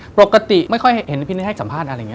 ปกติไม่ค่อยเห็นพี่นิสสัมภาษณ์อะไรนี้